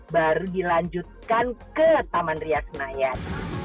baru dilanjutkan ke taman riak senayan